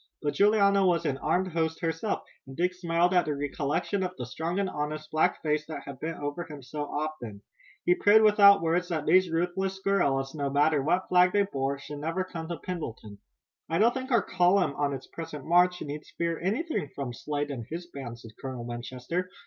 But Juliana was an armed host herself, and Dick smiled at the recollection of the strong and honest black face that had bent over him so often. He prayed without words that these ruthless guerrillas, no matter what flag they bore, should never come to Pendleton. "I don't think our column on its present march need fear anything from Slade and his band," said Colonel Winchester.